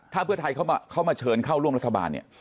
ถ้าเพื่อไทยเข้ามาเชิญเข้าร่วมรัฐบาลเนี่ย